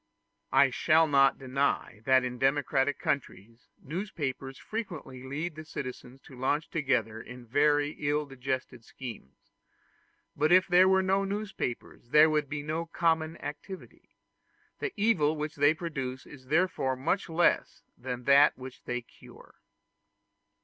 I shall not deny that in democratic countries newspapers frequently lead the citizens to launch together in very ill digested schemes; but if there were no newspapers there would be no common activity. The evil which they produce is therefore much less than that which they cure.